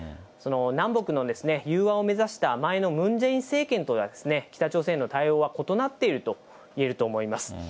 南北の融和を目指した、前のムン・ジェイン政権と、北朝鮮への対応は異なっているといえると思います。